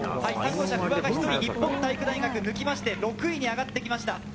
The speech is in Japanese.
３号車、不破が１人、日本体育大学を抜きまして、６位に上がってきました。